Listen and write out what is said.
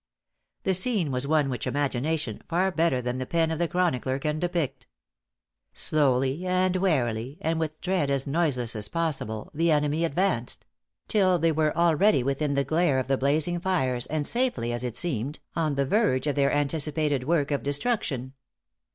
The scene was one which imagination, far better than the pen of the chronicler, can depict. Slowly and warily, and with tread as noiseless as possible, the enemy advanced; till they were already within the glare of the blazing fires, and safely, as it seemed, on the verge of their anticipated work of destruction.